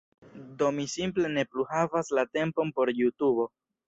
Do mi simple ne plu havas la tempon por Jutubo